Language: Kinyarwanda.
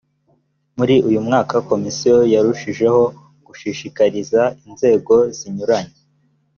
muri uyu mwaka komisiyo yarushijeho gushishikariza inzego zinyuranye